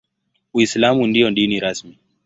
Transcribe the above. Uislamu ndio dini rasmi.